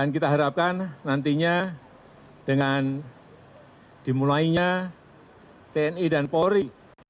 kita harapkan nantinya dengan dimulainya tni dan polri